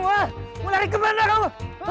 mulai lari kemana kamu